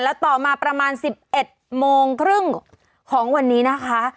แล้วต่อมาประมาณ๑๑โมงครึ่งของวันนี้นะคะ